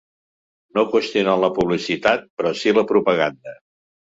No qüestionar la publicitat, però sí la propaganda.